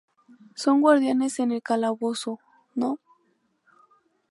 Son guardianes en el calabozo No.